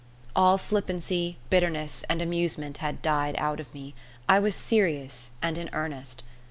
All flippancy, bitterness, and amusement had died out of me; I was serious and in earnest.